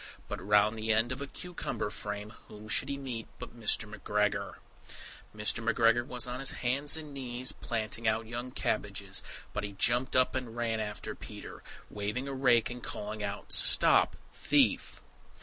But round the end of a cucumber frame, whom should he meet but Mr. McGregor! Mr. McGregor was on his hands and knees planting out young cabbages, but he jumped up and ran after Peter, waving a rake and calling out, "Stop thief."